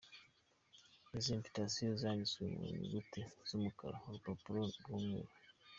Izi ‘Invitations’ zanditswe mu nyuguti z’umukara; Urupapuro ni umweru.